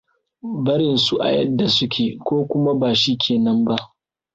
Barinsu a yadda su ke ko kuma ba shi ke nan ba.